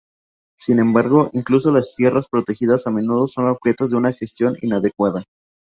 Sin embargo, incluso las tierras protegidas a menudo son objeto de una gestión inadecuada.